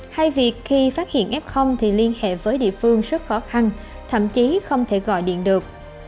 hay việc khi phát hiện f thì liên hệ với địa phương rất khó khăn thậm chí không thể gọi điện được